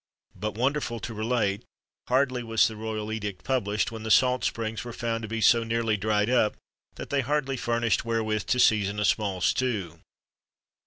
But, wonderful to relate, hardly was the royal edict published, when the salt springs were found to be so nearly dried up, that they hardly furnished wherewith to season a small stew.